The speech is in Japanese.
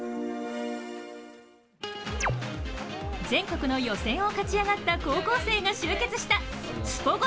全国の予選を勝ち上がった高校生が集結したスポＧＯＭＩ